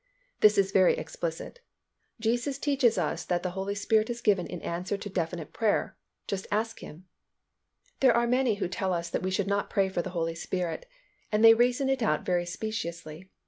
This is very explicit. Jesus teaches us that the Holy Spirit is given in answer to definite prayer—just ask Him. There are many who tell us that we should not pray for the Holy Spirit, and they reason it out very speciously.